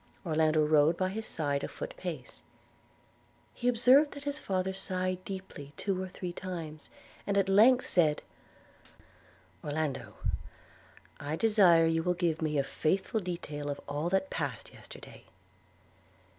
Orlando rode by his side a foot pace. He observed that his father sighed deeply two or three times, and at length said: 'Orlando, I desire you will give me a faithful detail of all that passed yesterday.'